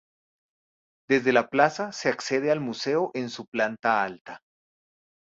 Desde la plaza se accede al museo en su planta alta.